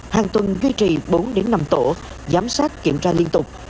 hàng tuần duy trì bốn đến năm tổ giám sát kiểm tra liên tục